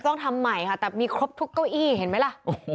ต้องทำใหม่ค่ะแต่มีครบทุกเก้าอี้เห็นไหมล่ะ